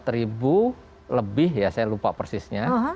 lima puluh empat ribu lebih ya saya lupa persisnya